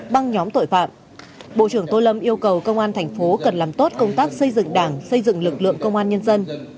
bộ trưởng tô lâm yêu cầu công an thành phố cần làm tốt công tác xây dựng đảng xây dựng lực lượng công an nhân dân